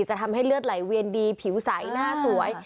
จะทำให้เลือดไหลเวียนดีผิวใสหน้าสวย